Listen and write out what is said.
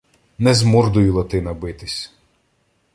Не з мордою Латина битись